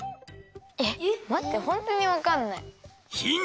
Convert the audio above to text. えっまってホントにわかんない。